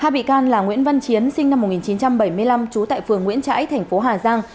hai bị can là nguyễn văn chiến sinh năm một nghìn chín trăm bảy mươi năm trú tại phường nguyễn trãi thành phố hà giang